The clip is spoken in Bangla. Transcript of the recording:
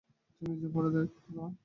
তুই নিজে পড়ে দেখ, হাঁদারাম।